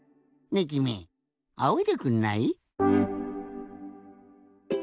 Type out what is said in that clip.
ねえきみあおいでくんない？